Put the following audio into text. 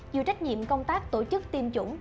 dự trách nhiệm công tác tổ chức tiêm chủng